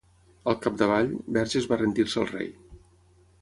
Al capdavall, Verges va rendir-se al rei.